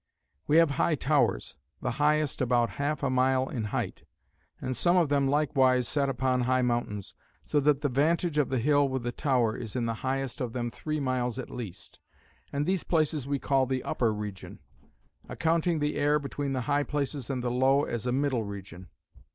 "We have high towers; the highest about half a mile in height; and some of them likewise set upon high mountains; so that the vantage of the hill with the tower is in the highest of them three miles at least. And these places we call the Upper Region; accounting the air between the high places and the low, as a Middle Region.